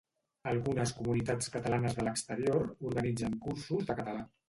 Algunes comunitats catalanes de l'exterior organitzen cursos de català.